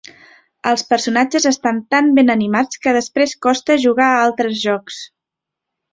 Els personatges estan tan ben animats que després costa jugar a altres jocs.